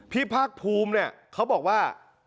ภาคภูมิเนี่ยเขาบอกว่า